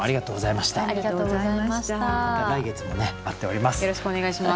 また来月もね待っております。